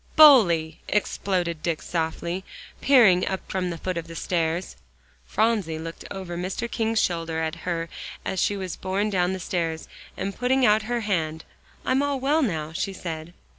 "Bully!" exploded Dick softly, peering up from the foot of the stairs. Phronsie looked over Mr. King's shoulder at her as she was borne down the stairs, and, putting out her hand, "I'm all well now," she said.